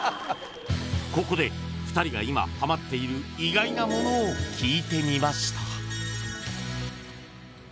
ここで２人が今ハマっている意外なものを聞いてみました